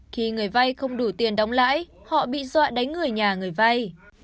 khi người vay không đủ tiền đóng lãi họ bị dọa đánh người nhà người vay